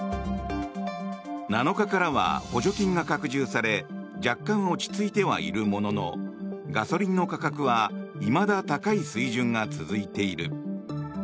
７日からは補助金が拡充され若干落ち着いてはいるもののガソリンの価格はいまだ高い水準が続いている。